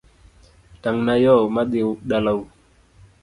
Tangna yoo madhi dala u